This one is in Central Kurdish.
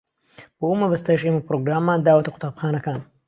بۆ ئەو مەبەستەش ئێمە پرۆگراممان داوەتە قوتابخانەکان.